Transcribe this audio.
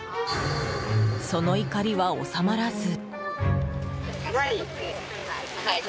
その怒りは収まらず。